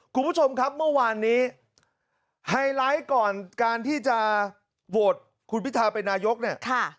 คุณผู้ชมครับเมื่อวานนี้ไฮไลท์ก่อนการที่จะโหวตคุณพิทาเป็นนายกเนี่ย